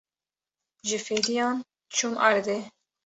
Ji fêdiyan çûm erdê.